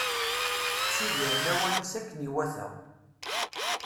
Tettidir lawan-is akken iwata.